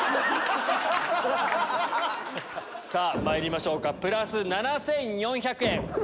まいりましょうかプラス７４００円。